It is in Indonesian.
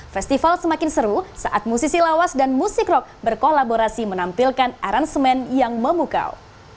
festival semakin seru saat musisi lawas dan musik rock berkolaborasi menampilkan aransemen yang memukau